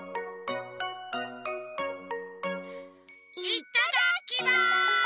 いただきます！